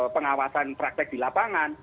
pengawasan praktek di lapangan